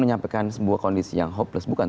menyampaikan sebuah kondisi yang hopeless bukan